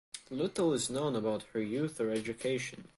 Little is known about her youth or education.